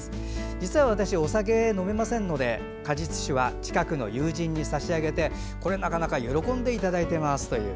実は私はお酒が飲めませんので果実酒は近くの友人に差し上げてなかなか喜んでいただいていますと。